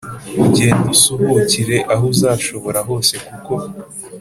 ugende usuhukire aho uzashobora hose kuko